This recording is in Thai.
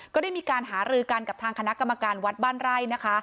ก็ได้มีการหารือกันกับทางคณะกรรมการวัดบ้านไร่นะคะ